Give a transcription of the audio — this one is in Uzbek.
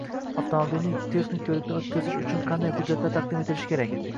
Avtomobilni texnik ko‘rikdan o‘tkazish uchun qanday hujjatlar taqdim etilishi kerak?